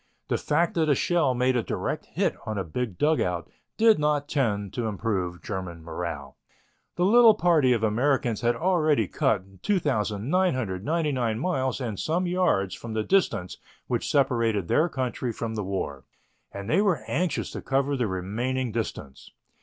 The fact that a shell made a direct hit on a big dugout did not tend to improve German morale. The little party of Americans had already cut 2,999 miles and some yards from the distance which separated their country from the war, and they were anxious to cover the remaining distance.